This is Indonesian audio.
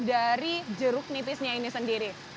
dari jeruk nipisnya ini sendiri